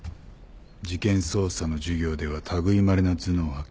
事件捜査の授業では類いまれな頭脳を発揮した。